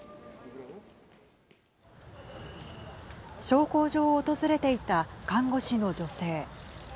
焼香所を訪れていた看護師の女性。